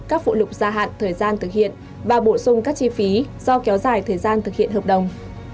các phụ lục gia hạn thời gian thực hiện và bổ sung các chi phí do kéo dài thời gian thực hiện hợp đồng